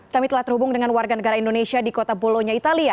kami telah terhubung dengan warga negara indonesia di kota bolonya italia